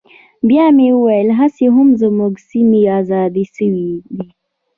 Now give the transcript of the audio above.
بيا مې وويل هسې هم زموږ سيمې ازادې سوي دي.